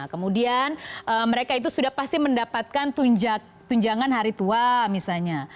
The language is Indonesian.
kemudian mereka itu sudah pasti mendapatkan tunjangan hari tua misalnya